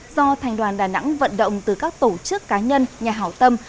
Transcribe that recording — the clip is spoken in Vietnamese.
do thành đoàn đà nẵng vận động từ các tổ chức cá nhân nhà hảo tâm